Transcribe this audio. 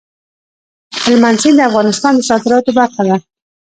هلمند سیند د افغانستان د صادراتو برخه ده.